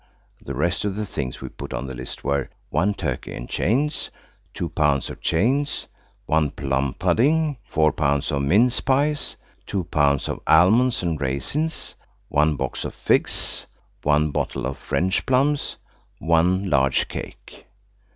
The rest of the things we put on the list were– 1 turkey and chains. 2 pounds of chains. 1 plum pudding. 4 pounds of mince pies. 2 pounds of almonds and raisins. 1 box of figs. 1 bottle of French plums. 1 large cake.